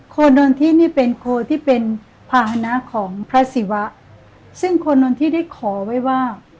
โดนทินี่เป็นโคที่เป็นภาษณะของพระศิวะซึ่งโคนนนทิได้ขอไว้ว่า